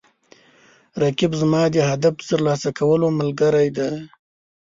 رقیب زما د هدف د ترلاسه کولو ملګری دی